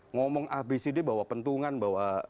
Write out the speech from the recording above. ngomong abcd bahwa pentungan bahwa